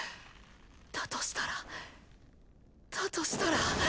だとしたらだとしたら。